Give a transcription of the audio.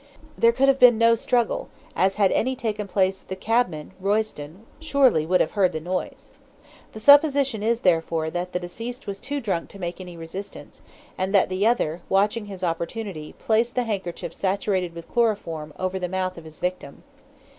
There could have been no struggle, as had any taken place the cabman, Royston, surely would have heard the noise. The supposition is, therefore, that the deceased was too drunk to make any resistance, and that the other, watching his opportunity, placed the handkerchief saturated with chloroform over the mouth of his victim.